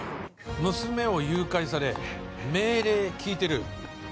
娘を誘拐され命令、聞いてる。